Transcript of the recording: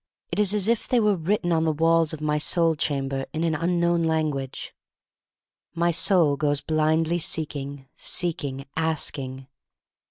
It is as if they were written on the walls of my soul chamber in an un known language. My soul goes blindly seeking, seek ing, asking.